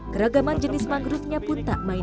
keragaman jenis mangrove nya pun tak main main